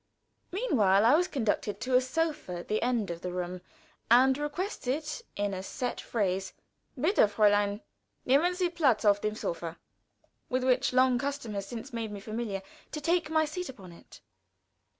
Meanwhile I was conducted to a sofa at the end of the room, and requested in a set phrase, "Bitte, Fräulein, nehmen sie platz auf dem sofa," with which long custom has since made me familiar, to take my seat upon it.